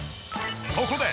そこで。